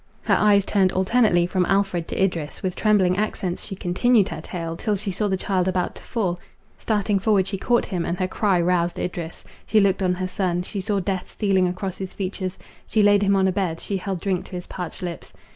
Her eyes turned alternately from Alfred to Idris; with trembling accents she continued her tale, till she saw the child about to fall: starting forward she caught him, and her cry roused Idris. She looked on her son. She saw death stealing across his features; she laid him on a bed, she held drink to his parched lips.